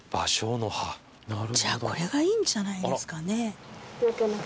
芭蕉の葉じゃあこれがいいんじゃないですかね